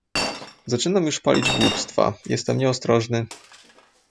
"Zaczynam już palić głupstwa, jestem nieostrożny..."